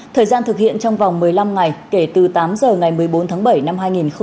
thời gian thực hiện trong vòng một mươi năm ngày kể từ tám giờ ngày một mươi bốn tháng bảy năm hai nghìn hai mươi